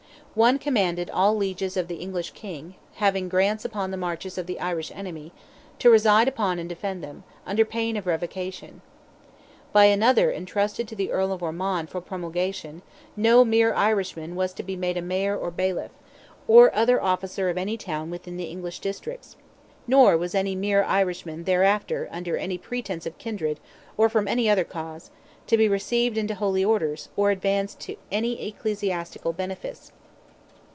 One commanded all lieges of the English King, having grants upon the marches of the Irish enemy, to reside upon and defend them, under pain of revocation. By another entrusted to the Earl of Ormond for promulgation, "no mere Irishman" was to be made a Mayor or bailiff, or other officer of any town within the English districts; nor was any mere Irishman "thereafter, under any pretence of kindred, or from any other cause, to be received into holy orders, or advanced to any ecclesiastical benefice."